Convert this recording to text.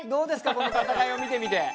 この戦いを見てみて。